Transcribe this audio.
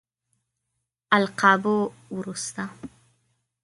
القابو وروسته.